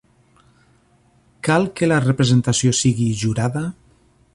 Cal que la representació sigui jurada?